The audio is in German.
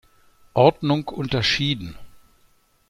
Ordnung unterschieden.